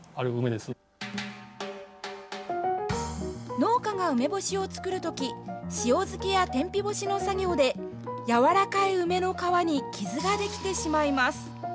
農家が梅干しを作るとき塩漬けや天日干しの作業でやわらかい梅の皮に傷ができてしまいます。